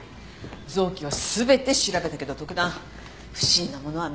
臓器は全て調べたけど特段不審なものは見当たらなかった。